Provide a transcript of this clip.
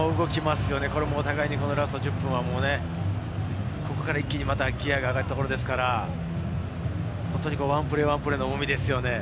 お互いにラスト１０分は、ここから一気にギアが上がるところですから、ワンプレーワンプレーの重みですよね。